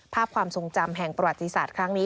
ภาพความทรงจำแห่งประวัติศาสตร์ครั้งนี้